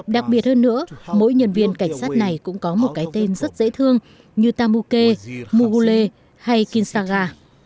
đặc biệt hơn nữa mỗi nhân viên cảnh sát này cũng có một cái tên rất dễ thương như tamuke mugule hay kinshaga